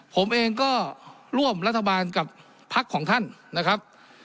ผมเองก็ร่วมรัฐบาลกับพักของท่านนะครับ